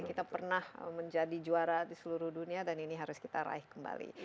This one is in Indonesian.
kita pernah menjadi juara di seluruh dunia dan ini harus kita raih kembali